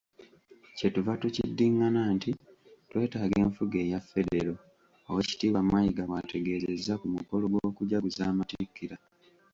"Kye tuva tukiddingana nti twetaaga enfuga eya Federo.” Owekitiibwa Mayiga bw'ategeezezza ku mukolo gw'okujaguza amatikira.